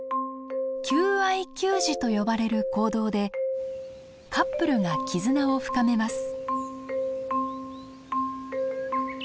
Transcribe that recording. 「求愛給餌」と呼ばれる行動でカップルが絆を深めます。